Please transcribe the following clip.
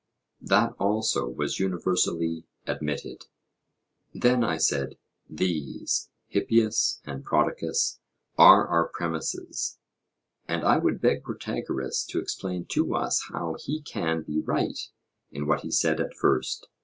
That also was universally admitted. Then, I said, these, Hippias and Prodicus, are our premisses; and I would beg Protagoras to explain to us how he can be right in what he said at first.